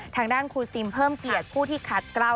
ทางด้านครูซิมเพิ่มเกียรติผู้ที่ขัดกล้าว